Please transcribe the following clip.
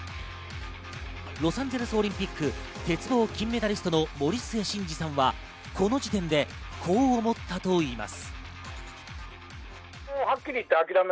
ロサンゼルスオリンピック鉄棒金メダリストの森末慎二さんはこの時点でこう思ったといいます。